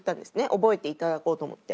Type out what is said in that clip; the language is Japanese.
覚えていただこうと思って。